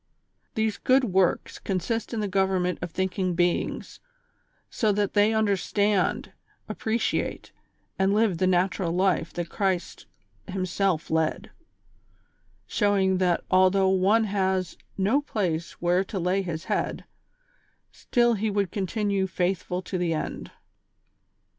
These " good works " consist in the government of thinking beings, so that they understand, appreciate and live the natural life that Christ himself led, showing that although one has " no place where to lay his head," still he would continue faithful to the end.